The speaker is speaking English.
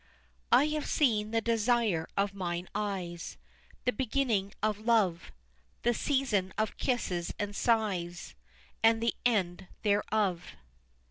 "I have seen the desire of mine eyes, The beginning of love, The season of kisses and sighs, And the end thereof."